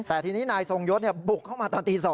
แต่ทีนี้นายทรงยศบุกเข้ามาตอนตี๒